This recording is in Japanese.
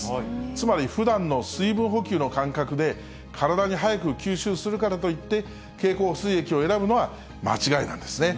つまりふだんの水分補給の感覚で、体に早く吸収するからといって、経口補水液を選ぶのは、間違いなんですね。